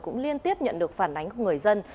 cũng liên tiếp nhận được phản ánh của người dân